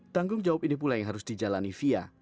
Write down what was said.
tanggung jawab ini pula yang harus dijalani fia